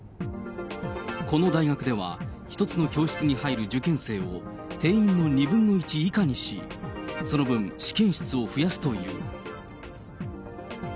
この大学では、１つの教室に入る受験生を、定員の２分の１以下にし、その分、試験室を増やすという。